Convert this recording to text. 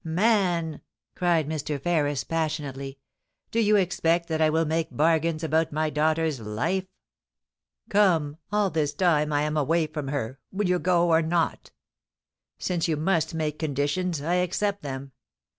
*Man!' cried Mr. Ferris, passionately, *do you expect that I will make bargains about my daughter's life ? Come, all this time I am away from her ; will you go, or not ? Since you must make conditions — I accept them.